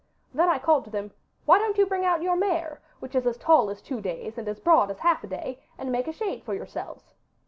Then I called to them, "Why don't you bring out our mare, which is as tall as two days, and as broad as half a day, and make a shade for yourselves?"